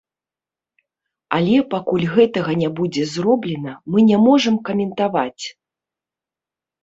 Але пакуль гэтага не будзе зроблена, мы не можам каментаваць.